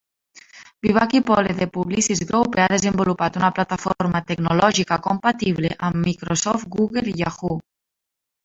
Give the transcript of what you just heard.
Vivaki pole de Publicis Groupe ha desenvolupat una plataforma tecnològica compatible amb Microsoft, Google i Yahoo!